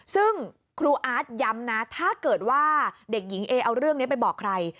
ซึ่งครูอาร์ตย้ำนะถ้าเกิดว่าเด็กหญิงเอเอาเรื่องนี้ไปบอกใคร